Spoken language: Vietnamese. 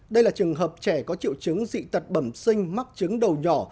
đây là trường hợp trẻ có triệu chứng dị tật bẩm sinh mắc chứng đầu nhỏ